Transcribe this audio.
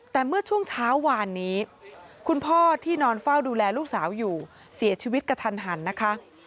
แต่เมื่อช่วงเช้าวานนี้คุณพ่อที่นอนเฝ้าดูแลลูกสาวอยู่เสียชีวิตกระทันหันนะคะ